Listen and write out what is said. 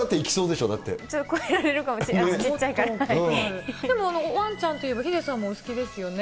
ちょっと超えられるかもしれでも、ワンちゃんといえば、ヒデさんもお好きですよね？